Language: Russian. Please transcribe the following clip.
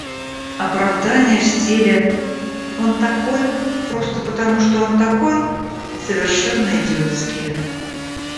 Оправдания в стиле «Он такой, просто потому что он такой» совершенно идиотские.